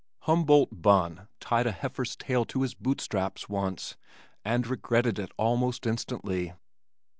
Humboldt Bunn tied a heifer's tail to his boot straps once and regretted it almost instantly.